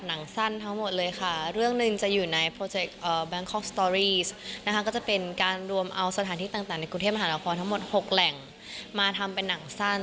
ในกรุงเทพฯมหาละครทั้งหมด๖แหล่งมาทำเป็นหนังสั้น